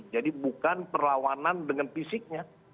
jadi bukan perlawanan dengan fisiknya